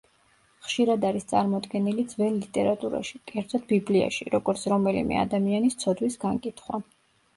ხშირად არის წარმოდგენილი ძველ ლიტერატურაში, კერძოდ ბიბლიაში, როგორც რომელიმე ადამიანის ცოდვის განკითხვა.